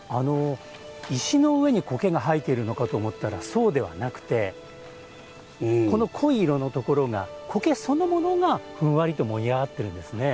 石の上に苔が生えているのかと思ったらそうではなくてこの濃い色のところが苔そのものがふんわりと盛り上がっているんですね。